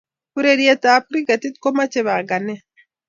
ureriet ap kriketit komochei panganet